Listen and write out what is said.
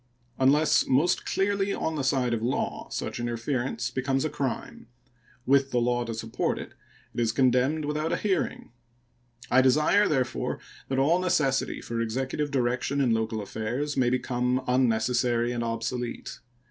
Unless most clearly on the side of law, such interference becomes a crime; with the law to support it, it is condemned without a heating. I desire, therefore, that all necessity for Executive direction in local affairs may become unnecessary and obsolete.